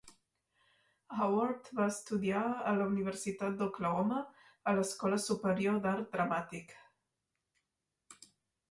Howard va estudiar a la Universitat d'Oklahoma, a l'escola superior d'art dramàtic.